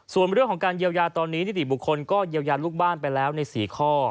ส่วนเรื่องของการเยียวยาตอนนี้นิติบุคคลก็เยียวยาลูกบ้านไปแล้วใน๔ข้อ